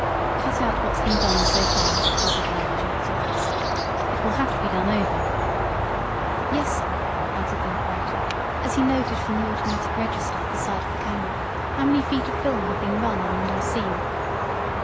"Cut out what's been done so far," ordered the manager to Russ. "It will have to be done over." "Yes, sir," answered the operator, as he noted from the automatic register at the side of the camera how many feet of film had been run on the new scene.